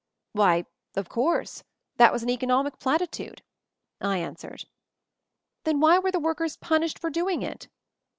"Why, of course; that was an economic platitude," I answered. "Then why were the workers punished for doing it?"